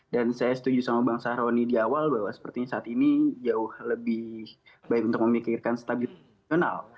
dan saya setuju sama bang saroni di awal bahwa sepertinya saat ini jauh lebih baik untuk memikirkan stabilitas profesional